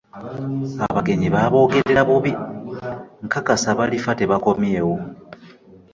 Abagenyi baaboogerera bubi! Nkakasa balifa tebakomyewo!